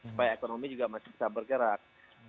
supaya ekonomi juga masih bisa bergerak